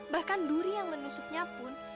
bahkan duri yang menusuknya pun